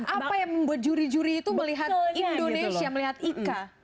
apa yang membuat juri juri itu melihat indonesia melihat ika